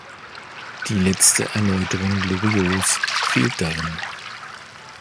Die letzte Erläuterung Loriots fehlt darin.